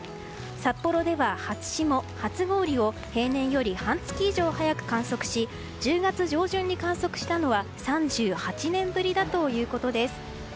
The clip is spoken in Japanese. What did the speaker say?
札幌では初霜、初氷を平年より半月以上早く観測し１０月上旬に観測したのは３８年ぶりだということです。